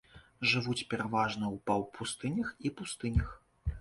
Жывуць пераважна ў паўпустынях і пустынях.